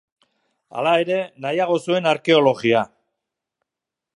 Hala ere, nahiago zuen arkeologia.